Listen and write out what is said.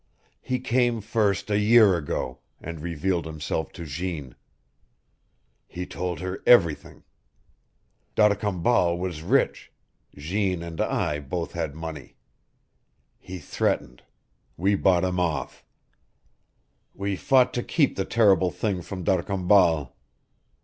He came first a year ago, and revealed himself to Jeanne. He told her everything. D'Arcambal was rich; Jeanne and I both had money. He threatened we bought him off. We fought to keep the terrible thing from D'Arcambal.